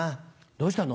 どうしたの？